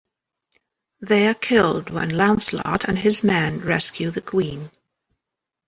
They are killed when Lancelot and his men rescue the queen.